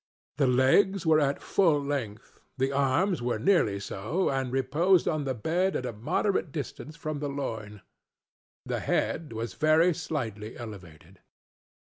The legs were at full length; the arms were nearly so, and reposed on the bed at a moderate distance from the loin. The head was very slightly elevated.